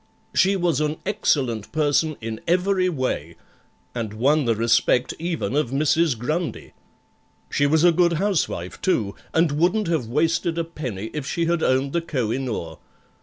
She was an excellent person in every way—and won the respect even of MRS. GRUNDY, She was a good housewife, too, and wouldn't have wasted a penny if she had owned the Koh i noor.